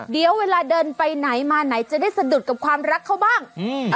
เดี๋ยวเวลาเดินไปไหนมาไหนจะได้สะดุดกับความรักเขาบ้างอืม